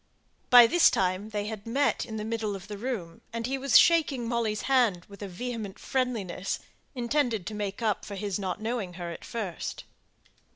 By this time, they had met in the middle of the room, and he was shaking Molly's hand with vehement friendliness, intended to make up for his not knowing her at first.